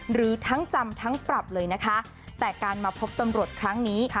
หรือทั้งจำทั้งปรับเลยนะคะแต่การมาพบตำรวจครั้งนี้